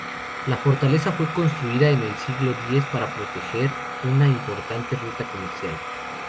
La fortaleza fue construida en el siglo X para proteger una importante ruta comercial.